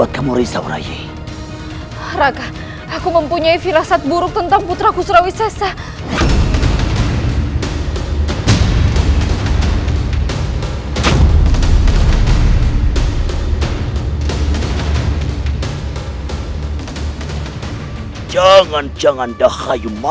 sampai jumpa di video selanjutnya